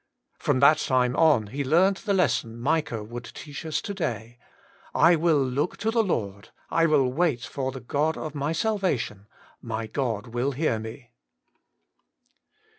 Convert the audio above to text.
From that time on he leamt the lesson Micah would teach us to day. ' I will look to the Lord ; I will wait for the God of my salvation ; my God will hear me.'